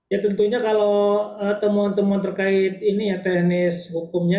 ya tentunya kalau temuan temuan terkait ini ya teknis hukumnya